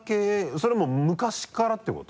それもう昔からってこと？